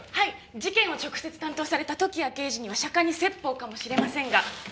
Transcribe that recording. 事件を直接担当された時矢刑事には釈迦に説法かもしれませんが。